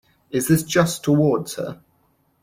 Is this just towards her?